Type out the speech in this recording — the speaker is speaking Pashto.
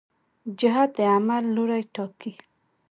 جهت د عمل لوری ټاکي.